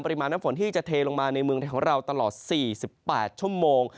น้ำฝนที่จะเทลงมาในเมืองไทยของเราตลอด๔๘ชั่วโมง